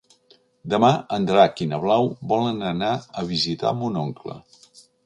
Demà en Drac i na Blau volen anar a visitar mon oncle.